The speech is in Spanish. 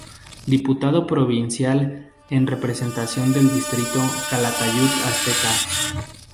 Diputado Provincial en representación del distrito Calatayud-Ateca.